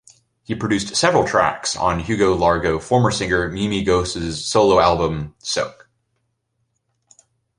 He produced several tracks on Hugo Largo former singer Mimi Goese's solo album, "Soak".